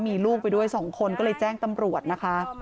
มีลูกไปด้วย๒คนก็เลยแจ้งตำรวจนะคะ